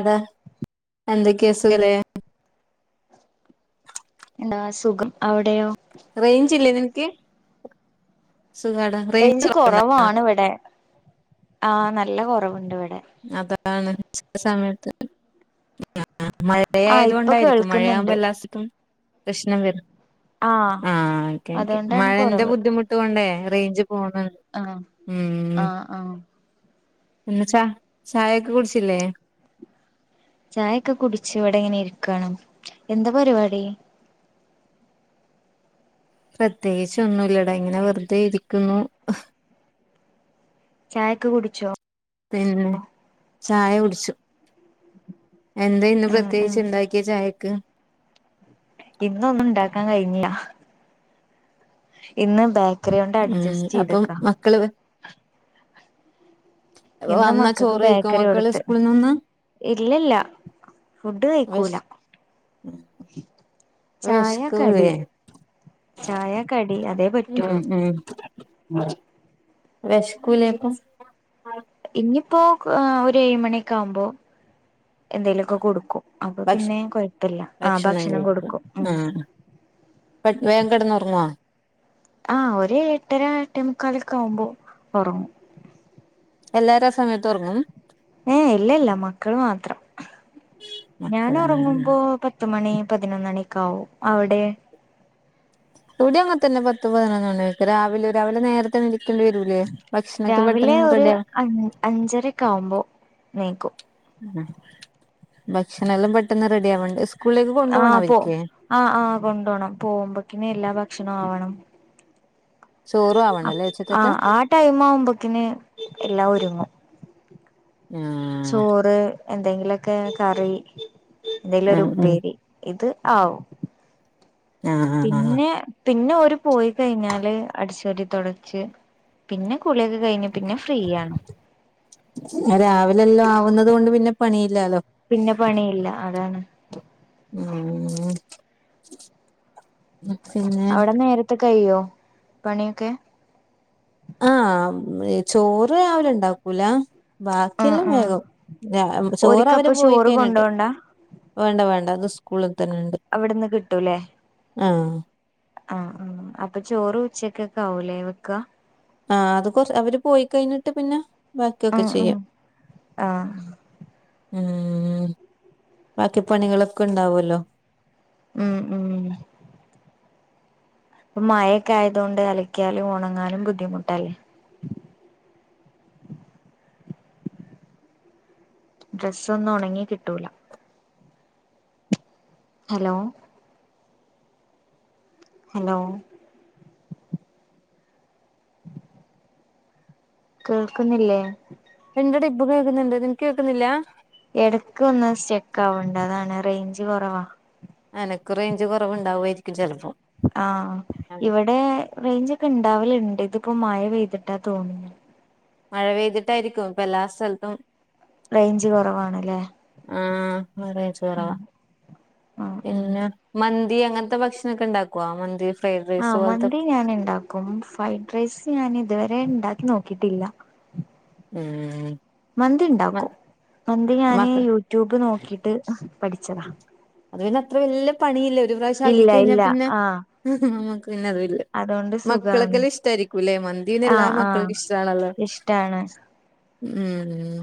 അതാ എന്തൊക്കെ സുഖല്ലേ എന്താ സുഖം അവിടെയോ? റേഞ്ച്ല്ലേ നിനക്ക് സുഖാടാ റയ് ഞ്ച് കൊറവാണ് ഇവിടെ ആ നല്ല കൊറവുണ്ട് ഇവിടെ അതാണ് ആ സമയത്ത് ആഹ് മഴയായതു ഇപ്പൊ കൊണ്ടായിരിക്കും മഴയാകുമ്പോ കേൾക്കുന്നുണ്ട് എല്ല [unintelligible] പ്രശ്നം വരും ആഹ് ഓക്കെ ഓക്കെ അതുകൊണ്ടാണ് മഴന്റെ കുറവ് ബുദ്ധിമുട്ട് കൊണ്ടേ റേഞ്ച് പോണാണ്‌ ആഹ് ആഹ് ആഹ് പിന്നെ ചാചായൊക്കെ കുടിച്ചില്ലേ ചായൊക്കെ കുടിച്ച് ഇവിടെ ഇങ്ങനെ ഇരിക്കാണ് എന്താ പരിപാടി പ്രത്യേകിച്ച് ഒന്നൂല്ലട ഇങ്ങനെ വെറുതെ ഇരിക്കുന്നു ചായൊക്കെ കുടിച്ചോ? പിന്നെ ചായ കുടിച്ചു എന്താ ഇന്ന് ഉം ഉം പ്രത്യേകിച്ച് ഉണ്ടാക്കിയേ ചായക്ക് ഇന്നൊന്നും ഉണ്ടാക്കാൻ കഴിഞ്ഞില്ല ഇന്ന് ബേക്കറി കൊണ്ട് അഡ്ജസ്റ്റ് ചെയ്തക്കാ ക്കള് ഇന്ന് വന്നാ മക്കൾക്ക് ചോറ് കഴിക്കോ ബേക്കറി മക്കള് കൊടുത്ത് സ്കൂളിൽ നിന്ന് ഇല്ലല്ല ഫുഡ് വിശ കഴിക്കൂല ചായ വിശക്കൂലേ കടി ചായ കടി അതേ പറ്റുള്ളൂ പിന്നെ ഉം വെഷക്കൂലേപ്പം ഇന്നിപ്പോ ഒരു ഏഴ് മണി ഒക്കെ ആകുമ്പോ എന്തെലൊക്കെ കൊടുക്കും അപ്പൊ ഭക്ഷ പിന്നെ കൊഴപ്പല്ല ആഹ് ഭക്ഷണം കൊടുക്കും ഉം ഇപ്പം വേം കെടന്ന് ഒറങ്ങോ ആഹ് ഒര് എട്ടര എട്ടേമുക്കാലൊക്കെ ആകുമ്പോ ഒറങ്ങും എല്ലാരും ആ സമയത്ത് ഒറങ്ങും ഏഹ് ഇല്ല ഇല്ല മക്കള് മാത്രം ഞാൻ ഒ മക്കള് ഒറങ്ങുമ്പോ പത്ത് പത്തുമണി പതിനൊന്ന് മണിയൊക്കെ ആവും അവിടെ ഇവിടി അങ്ങനെ തന്നെ പത്ത് പതിനൊന്നണിക്ക് രാവിലെ രാവിലെ നേരത്തെ എണീപ്പിക്കല് രാവിലെ ഒരു അഞ്ചരക്കെ ആവുമ്പോ നീക്കും ഉം ഭക്ഷണ എല്ലാം പെട്ടെന്ന് റെഡി ആവണ്ടെ സ് ആഹ് പോ ആഹ് ആഹ് കൊണ്ടോണം പോകുമ്പക്കിന് എല്ലാ ഭക്ഷണവും ആവണം ചോറും ആവണം അല്ലേ ഉച്ചക്കത്തെ ആഹ് ആ ടൈം ആവുമ്പോത്തിന് എല്ലാം ഒരുങ്ങും ആഹ് ചോറ് എന്തെങ്കിലൊക്കെ കറി എന്തെങ്കിലും ഒരു ഉം ഉം ഉപ്പേരി ഇത് ആവും ആഹ് ആഹ് ആഹ് പിന്നെ - പിന്നെ ഓര് പോയി കഴിഞ്ഞാല് അടിച്ചു വാരി തൊടച്ച് പിന്നെ കുളിയൊക്കെ കഴിഞ്ഞ് പിന്നെ ഫ്രീ ആണ്. പിന്നെ രാവിലെ എല്ലാം ആവുന്നതുകൊണ്ട് പിന്നെ പണിയില്ലാലോ. പിന്നെ പണിയില്ല അതാണ്. ഉം. പിന്നെ [unintelligible] അവടെ നേരത്തെ കയ്യോ പണിയൊക്കെ. ആഹ് ചോറ് രാവിലെ ഇണ്ടാക്കൂല ആഹ് ബാക്കിയെല്ലാം ആഹ് വേഗം ചോറ് അവര് ഓര്ക്കപ്പൊ പോയി ചോറ് കഴിഞ്ഞിട്ട്. കൊണ്ടോണ്ട വേണ്ട വേണ്ട അത് സ്കൂളിൽ തന്നെയിണ്ട്. അവിടുന്ന് കിട്ടും ഇല്ലേ ആഹ് ആഹ് അപ്പൊ ചോറ് ഉച്ചക്കൊക്കെ ആവൂലേ വെക്കാ ആഹ് അത് കൊറ അവര് പോയി കഴിഞ്ഞിട്ട് പിന്നെ ബാക്കിയൊക്കെ ആഹ് ആഹ് ചെയ്യാം. ആഹ് ഉം ബാക്കി പണികളൊക്കെ ഇണ്ടാവൊല്ലോ. ഉം ഉം. ഇപ്പം മഴക്കെ ആയതുകൊണ്ട് അലയ്ക്കിയാലും ഒണങ്ങാനും ബുദ്ധിമുട്ട് ആയി ഡ്രസ്സാന്നും ഒണങ്ങി കിട്ടൂല. ഹലോ. ഹലോ. കേക്കുന്നില്ലേ? എണ്ടടെ ഇപ്പൊ കേക്കുന്നുണ്ട് നിനക്ക് കേക്കുന്നില്ല? എടക്ക് ഒന്ന് സ്റ്റെക്കാവ്ണ്ട് അതാണ് റേഞ്ച് കൊറവാ. എനക്ക് റേഞ്ച് കൊറവുണ്ടാവായിരിക്കും ചെലപ്പോ. ആഹ് ഇവിടെ റേഞ്ച് ഒക്കെ ഇണ്ടാവലുണ്ട് ഇതിപ്പോ മഴ പെയ്തിട്ടാന്ന് തോന്നു മഴ പെയ്തിട്ടായിരിക്കും ഇപ്പൊ എല്ലാ സ്ഥലത്തും റേഞ്ച് കൊറവാണല്ലേ? ആഹ് ഇവിടെ റേഞ്ചു കൊറവാ. ഉം ഉം പിന്നെ മന്തി അങ്ങനത്തെ ഭക്ഷണൊക്കെ ഒണ്ടാക്കുവ മന്തി ഫ്രൈഡ് റൈസ് ആഹ് പോലത്തെ മന്തി ഞാനുണ്ടാക്കും ഫ്രൈഡ് റൈസ് ഞാൻ ഇതുവരെ ഉണ്ടാക്കി നോക്കിയിട്ടില്ല ഉം. മന്തി മ ഇണ്ടാക്കും മന്തി ഞാന് മക്ക യൂട്യൂബ് നോക്കിട്ട് പഠിച്ചതാ. അത് പിന്നെ അത്ര വല്യ പണിയില്ല ഒരു പ്രാവശ്യ ഇല്ല ആക്കിക്കഴിഞ്ഞാൽ ഇല്ല പിന്നെ ആഹ് ഉം നമ്മുക്ക്‌ പിന്നെ അത് ഇല്ല അതുകൊണ്ട് സുഖാണ് മക്കളൊക്കെല്ലാം ഇഷ്ടായിരിക്കുംല്ലേ മന്തിപിന്നെല്ലാ ആഹ് ആഹ് ഇഷ്ടമാണല്ലോ. ഇഷ്ടാണ്. ഉം.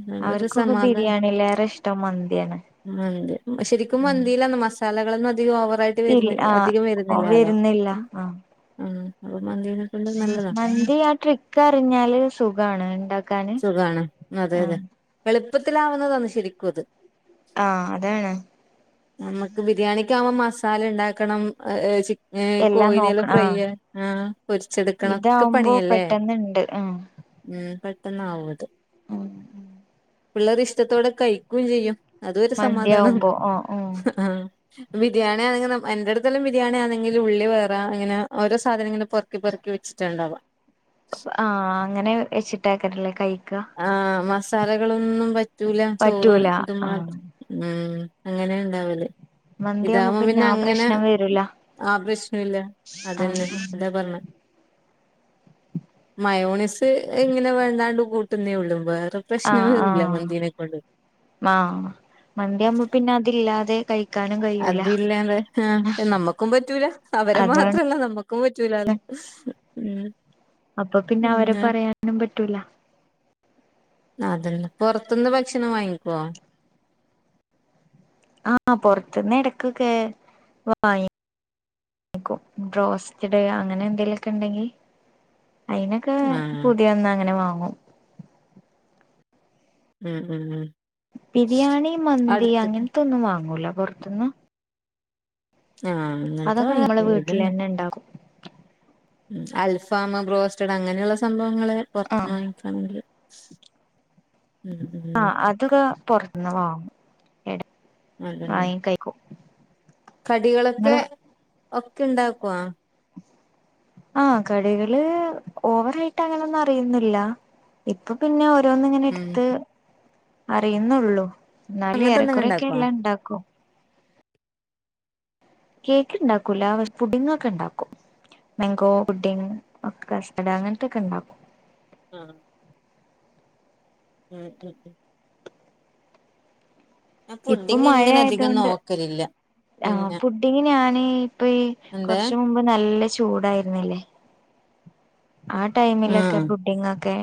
അതോണ്ടൊരു അവർക്കൊക്കെ സമാധാനം ബിരിയാണിയിലേറെ ഇഷ്ട്ടം മന്തിയാണ്. മന്തി ശരിക്കും മന്തില്ലാന്ന് മസാലകളൊന്നും അധികം ഓവറയിട്ട് ട്ട് ഇല്ല വര്ന്നില്ല ആഹ് അധികം ഓ വരുന്നില്ലാലോ വരുന്നില്ല ആഹ് ഉം അപ്പൊ മന്തിനെ മന്തി ആ ട്രിക്ക് അറിഞ്ഞാല് സുഖാണ് ഉണ്ട സുഖാണ് അതെ അതെ എളുപ്പത്തിലാവുന്നതാന്ന് ശരിക്കൊത്. ആഹ് അതാണ്. നമുക്ക് ബിരിയാണിക്കാവുമ്പോ മസാല ഉണ്ടാക്കണം ചി ഏഹ് എല്ലാം കോഴിനെല്ലാം നോക്കണം ആഹ് ഫ്രൈയ് പൊരിച്ചെടുക്കണം ഒക്കെ ഇതാവുമ്പോ പണിയല്ലേ. പെട്ടെന്ന്ണ്ട് ആഹ് ഉം. പെട്ടെന്നാവുത്. പിള്ളേരിഷ്ടത്തോടെ കഴിക്കുംചെയ്യും അതൊരു സമാധാനം മന്തിയാവുമ്പോ ഓഹ് ഓഹ് ആഹ്. ബിരിയാണി ആണെങ്കിൽ എന്റ അടുല്ലും ബിരിയാണി ആണെങ്കിൽ ഉള്ളി വറ അങ്ങനെ ഓരോ സാധനങ്ങളും പൊറ പെറുക്കിപ്പെറിക്കി വച്ചിട്ടാണ്ടാവ. ആഹ് അങ്ങനെ വെച്ചിട്ടക്കാനല്ലേ കഴിക്ക. ആഹ് മസാലകളൊന്നും പറ്റൂല ചോറും പറ്റൂല ഇതും മാത്ര ആഹ് ഉം. അങ്ങനെ ഉണ്ടാവല്. മന്തിയാവുമ്പോ ഇതാവുമ്പോ പിന്നെ ആ അങ്ങനെ പ്രശ്നം വരൂല ആ പ്രശ്നമില്ല, ആഹ് അതന്നെ അതാ പറഞ്ഞെ മയോണിസ് ഇങ്ങനെ വേണ്ടാണ്ട് കൂട്ടുന്നേ ഉള്ളു. വേറെ ആഹ് പ്രശ്നമേ ഇല്ല ആഹ് മന്തീനെ കൊണ്ട് ആഹ് മന്തിയാവുമ്പോ പിന്നെ അതില്ലാതെ കഴി അതില്ലാതെ, ആ നമ്മക്കും പറ്റൂല അവരെ അതാണ് മാത്രല്ല നമ്മക്ക്. ക്കും പറ്റൂലാൽ ഉം അപ്പൊ പിന്നെ അവരെ പറയാനും പറ്റൂല. അതെന്നെ, പുറത്തുന്ന് ഭക്ഷണം വാങ്ങിക്കുവോ ആഹ് പൊറത്തുന്ന് എടക്കൊക്കെ വാങ്ങി ക്കും ബ്രോസ്റ്റഡ് അങ്ങനെ എന്തെലുക്കെ ഉണ്ടെങ്കി അയിനൊക്കെ ആഹ് പൂതിവന്നാ അങ്ങനെ വാങ്ങും ഉം ഉം ഉം ബിരിയാണി, മന്തി അടുത്ത്ക്ക് അങ്ങനത്തൊന്നും വാങ്ങൂല പുറത്തുന്ന് ആഹ് അങ്ങനത്തെ വാങ്ങിക്ക് ഇത് ഉണ്ടാകും ഉ അൽഫാം, ബ്രോസ്റ്റഡ് അങ്ങനെയുള്ള സംഭവങ്ങള് പുറത്തുന്ന് ആഹ് വാങ്ങിക്കാണെങ്കില് ഉം ഉം ആഹ് അതൊക്കെ പൊറത്തുന്ന് വാങ്ങും. എട അതന്നെ വാങ്ങി കഴിക്കും കടികളൊക്കെ, ഇങ്ങള് ഒക്കെ ഉണ്ടാക്കുവോ ആഹ് കടികള് ഓവറായിട്ട് അങ്ങനെയൊന്നും അറിയുന്നില്ല. ഇപ്പൊ പിന്നെ ഓരോന്ന് ഇങ്ങനെ ഉം എടുത്ത് അറിയുന്നുള്ളു എന്നാലും അങ്ങനത്തെ എന്തെങ്കിലും ഏറെക്കുറെ ഒക്കെ ഇണ്ടാക്കോ എല്ലാം ഇണ്ടാക്കും കേക്ക് ഇണ്ടാക്കൂല പക്ഷെ പുഡ്ഡിംഗ് ഒക്കെ ഉണ്ടാക്കും. മെങ്കോ ബുഡിങ്, കസ്റ്റഡ് അങ്ങനത്തൊക്കെ ഉണ്ടാക്കും. ആഹ് ഉം ഉം ഉം ഞാൻ ഇപ്പം പുഡിങ് മഴ അങ്ങനെ ആയത് അധികം കൊണ്ട് നോക്കലില്ല ആഹ് പിന്നെ പുഡിങ്, ഞാന് ഇപ്പൊ ഈ എന്തേ കൊറച്ചു മുമ്പ് നല്ല ചൂടായിരുന്നില്ലേ ആ ടൈമിലൊക്കെ ആഹ് പുഡിങ്ങൊക്കെ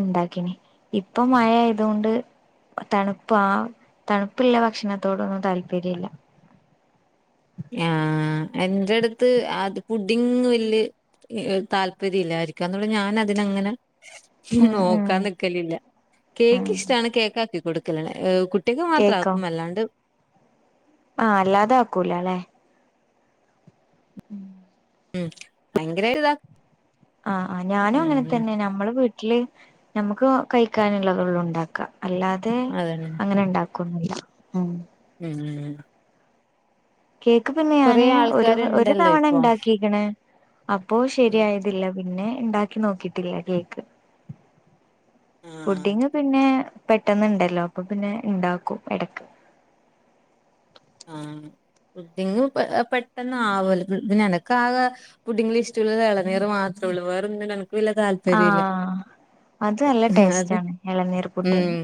ഉണ്ടാക്കിന് ഇപ്പൊ മഴയായതുകൊണ്ട് തണുപ്പാ തണുപ്പുള്ള ഭക്ഷണത്തോടൊന്നും താല്പര്യല്ല. ആഹ് എന്റെ അടുത്ത് അത് പുടിങ് വല്യ താല്പര്യം ഇല്ലാര്ക്കും അന്നരം ഞാൻ അതിനങ്ങനെ ഉം ഉം നോക്കാൻ നിക്കലില്ല. കേക്ക് ഉം ഇഷ്ടാണ് കേക്ക് ആക്കി കൊടുക്കലേ, കു ട്ടിക്ക് മാത്രാക്കും അല്ലാണ്ട് ആഹ് അല്ലാതെ ആക്കൂല അല്ലെ ഉം ഉം ഭയങ്കരൊര് ഇതാ ആഹ് ആഹ് ഞാനും ഉം ഉം അങ്ങനെതന്നെ നമ്മള് വീ ട്ടില് ഞമ്മക്ക് കഴിക്കാന്ള്ളതൊള്ളൂ ഇണ്ടാക്ക. അല്ലാതെ അതന്നെ അങ്ങനെ ഇണ്ടാ ക്കൊന്നുല്ല ഉം ഉം ഉം ഉം കേക്ക് പിന്നെ കൊറേ ഞാന് ഒരു, ഒരു ആൾക്കാരുണ്ടല്ലോ തവണ ഇപ്പൊ ഇണ്ടാക്കിക്ക്ണ് അപ്പോ ഉം ശരിയായ തില്ല പിന്നെ ഇണ്ടാക്കി നോക്കിയിട്ടില്ല കേക്ക് ആഹ് പുഡിങ്ങ് പിന്നെ പെട്ടെന്ന്ണ്ടല്ലോ, അപ്പൊ പിന്നെ ഇണ്ടാക്കും എടക്ക്. ആഹ് പുഡ്ഢിങ് പെട്ടെന്ന് ആവൊല്ലോ. പിന്നെ എനക്ക് ആകെ പുഡിങ്ല് ഇഷ്ടഉള്ളത് എളനീറ് മാത്രേ ഒള്ളൂ. വേറൊന്നിനോടും എനക്ക് വല്ല്യെ താൽ പര്യ ഇല്ല ആഹ് അത് നല്ല ടേസ്റ്റ് അത് ആണ് ഇളനീർ പുഡിങ് ഉം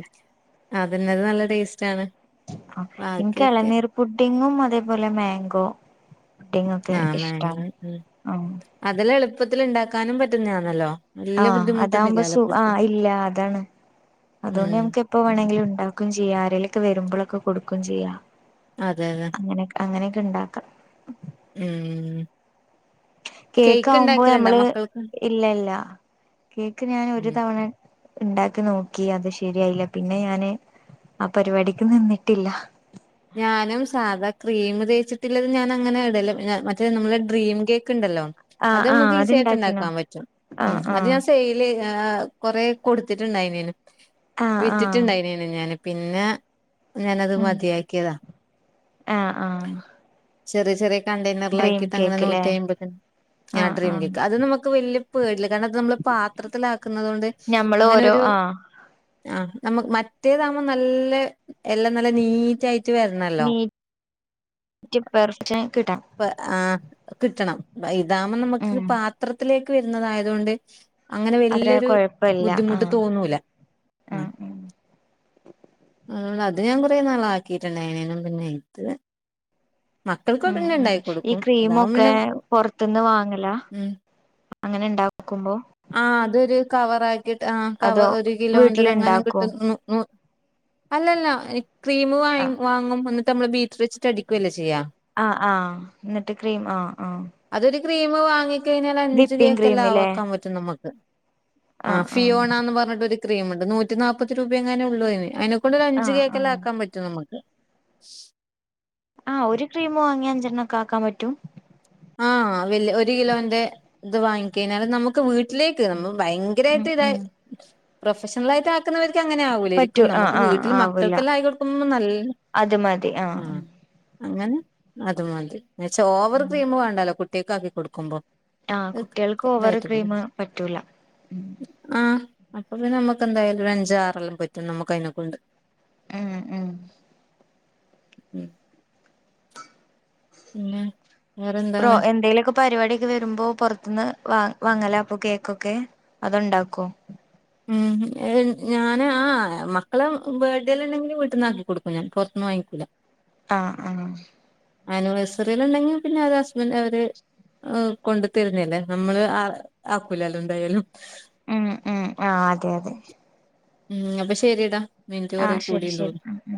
അതിനത് നല്ല ടേസ്റ്റ് ആണ്. ആഹ് ഇൻക്ക് ബാക്കിയൊക്കെ എളനീർ പുഡ്ഢിങ്ങും, അതേപോലെ മേങ്കോ പുഡ്ഢിങ്ങൊക്കെ ആ മാങ്ങ ഇഷ്ടാണ് ഉം ആഹ് അതെല്ലാം എള്പ്പത്തില് ഇണ്ടാക്കാനും പറ്റ്ന്നെയാന്നല്ലോ ആഹ് അതാകുമ്പോ സു ആഹ് ഇല്ല അതാണ് അത്കൊണ്ട് ഉം ഞമ്ക്ക് എപ്പ ഉം. വേണെങ്കിലും ഇണ്ടാ ക്കും ചെയ്യാ ആരേലൊക്കെ വെരുമ്പളൊക്കെ കൊടുക്കും ചെയ്യാ അതെ അതെ അങ്ങനെയെക്കെ അങ്ങനെയെക്കെ ഇണ്ടാക്ക ഉം ഉം കേക്ക് കേക്കാവുമ്പൊ ഉണ്ടാക്കലുണ്ടോ നമ്മള് മക്കൾക്ക് ഇല്ലല്ലോ കേക്ക് ഞാൻ ഒരു ഉം തവണ ഇണ്ടാക്കി നോക്കി അത് ശരിയായില്ല പിന്നെ ഞാന് ആ പരിപാടിക്ക് നിന്ന്ട്ടില്ല ഞാനും സാധാ ക്രീം തേച്ച്ട്ട്ല്ലത് ഞാൻ അങ്ങനെ ഇടല്ല ഞ മറ്റേ നമ്മളെ ഡ്രീം കേക്ക് ഇണ്ടല്ലോ ആഹ് അത് ആഹ് നമ്മക്ക് ഈസിയായിട്ട് അത്ണ്ടാക്കിണോ ഇണ്ടാക്കാൻ പറ്റും ഉം ആഹ് അത് ആഹ് ഞാൻ സെയ്‌ ല് ഏഹ് കൊറേ കൊട്ത്ത്ട്ട് ഇണ്ടായ്നേനു ആഹ് വിറ്റ്റ്റ് ആഹ് ഇണ്ടായ്നേ നു ഞാന് പിന്നെ ഞാനത് ഉം മതിയാക്ക്യേതാ ആഹ് ആഹ് ചെറിയ ചെറിയ കണ്ടെയ്നർല് ഡ്രീം ആക്കിയിട്ട് അങ്ങനെ കേക്ക്ല്ലേ നൂറ്റി അയ്മ്പതിന് ഞാൻ ആഹ് ഡ്രീം ആഹ് കേക്ക് അത് നമക്ക് വല്ല്യെ പേടില്ല കാരണം ഇത് നമ്മള് പാത്രത്തിലാക്ക്ന്നതോണ്ട് ഞമ്മള് ഓരോ അങ്ങനെരു ആഹ് ആഹ് നമ്മ മറ്റേതാവുമ്പം നല്ലെ എല്ലം നല്ല നീറ്റ് ആയിറ്റ് വെര്ണല്ലോ റ്റ് പെർഫെക്ഷന് കിട്ടണം പ്പെ ആഹ് കിട്ടണം ഇതാവുമ്പൊ നമക്ക് ഉം പാത്രത്തിലേക്ക് വരുന്നതായതുകൊണ്ട് അങ്ങനെ അത്ര വെല്ല്യെരു കൊഴപ്പല്ല ബുദ്ധിമുട്ട് ആഹ് തോന്നൂല ഉം ഉം അത്‌ ഞാൻ കൊറേ നാള് ആക്കിട്ട്ണ്ടായ്നേനും പിന്നെ ഇത് മക്കൾ ഉം ഉം ഈ ക്രീമൊക്കെ പൊറത്ത്ന്ന് വാങ്ങലാ ഉം അങ്ങനെ ഇണ്ടാക്കുമ്പൊ ആഹ് അതൊരു കവറ് ആക്കിയ്ട്ട് ആഹ് കവ അതോ ഒര് വീട്ടില് കിലോന്റതങ്ങനെ ഇണ്ടാക്കോ കിട്ടും ന്നൂ ന്നൂ അല്ലല്ല ക്രീം വാങ്ങി ആഹ് വാങ്ങും എന്നിട്ട് നമ്മള് ബീറ്റ്ർ വെച്ചിട്ട് അടിക്കുവല്ലേ ചെയ്യാ ആഹ് ആഹ് എന്നിട്ട് ക്രീം ആഹ് ആഹ് അതൊരു ക്രീം വാങ്ങിക്കഴിഞ്ഞാല് അഞ്ച് വിപ്പിംഗ് കേക്കെല്ലാം ക്രീമില്ലേ ആവക്കാൻ പ റ്റും നമ്മക്ക് ആഹ് ഫിയോണന്നും പർഞ്ഞിട്ട് ഒര് ക്രീമ്ണ്ട് നൂറ്റി നാപ്പത് രൂപയെങ്ങാനും ഒള്ളൂ അയ്ന് അയ്നെക്കൊണ്ട് ഒരു അഞ്ച് ആഹ് കേക്കല്ലാം ആഹ് ആക്കാൻ പറ്റും നമ്മ്ക്ക് ആഹ് ഒരു ക്രീമ് വാങ്ങിയ അഞ്ചെണ്ണം ഒക്കെ ആക്കാം പറ്റും ആഹ് വെല്ല്യെ ഒരു കിലോന്റെ ഇത് വാങ്ങിക്കെയ്ഞ്ഞാല് നമുക്ക് വീ ട്ടിലേക്ക് നമ്മ ഉം ഭയങ്കരായിട്ട് ഇത് ഉം പ്രൊഫഷണലായിട്ട് ആ ക്കുന്നവർക്ക് അങ്ങനെ പറ്റൂ ആകൂലരിക്കും ആഹ് നമുക്ക് ആഹ് വീട്ടിൽ ആവൂല മക്കൾക്കെല്ലാം ആയി കൊടുക്കുമ്പോ നല്ല അത് മതി ആഹ് അങ്ങനെ അത് മതി എന്നച്ച ഓവർ ക്രീം വേണ്ടല്ലോ കുട്ടികക്ക ആക്കി കൊടുക്കുമ്പോ ആഹ് കുട്ടികൾക്ക് ഓവർ ഇതായിട്ട് ക്രീം പറ്റൂല ആഹ് അപ്പൊന്ന നമുക്ക് എന്തായാലും ഒരു അഞ്ച് ആറെല്ലാം പറ്റും നമുക്ക് അതിനെക്ക കൊണ്ട് ഉം ഉം ഉം പിന്നെ പ്രോ വേറെന്താണ് എന്തേലൊക്കെ പരിപാടിയൊക്കെ വരുമ്പോ പുറത്തന്ന് വാ വാങ്ങല അപ്പൊ കേക്കൊക്കെ അതൊണ്ടാക്കോ മ ഞാൻ ആ മക്കളെ ബേർത്ത്ഡേൽ ഉണ്ടെങ്കിൽ വീട്ടിൽ നിന്നാക്കി കൊടുക്കും ഞാൻ പുറത്തന്ന് വാങ്ങിക്കൂല്ല ആഹ് ആഹ് ആനിവേഴ്സറിൽ ഉണ്ടെങ്കിൽ പിന്നെ അത് ഹസ്ബൻഡറ് അവര് കൊണ്ട് തരുന്നല്ലേ നമ്മള് ആ ആകുലല്ലേന്തായാലും ഉം ഉം ആ അതെ അതെ ഉം അപ്പൊ ശെരിടാ മിനിറ്റ് കുറേ ആഹ് ശരി കൂടിന്ന് ശരി തോന്നുന്നു ഉം ഉം